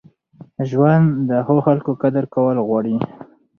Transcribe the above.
ژوند د ښو خلکو قدر کول غواړي.